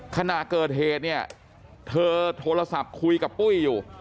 ขณะเกิดเหตุเนี่ยเธอโทรศัพท์คุยกับปุ้ยอยู่